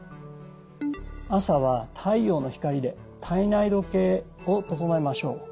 朝は太陽の光で体内時計を整えましょう。